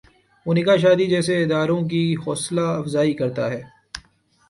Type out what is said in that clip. وہ نکاح شادی جیسے اداروں کی حوصلہ افزائی کرتا ہے۔